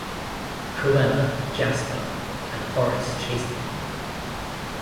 Cruella, Jasper, and Horace chase them.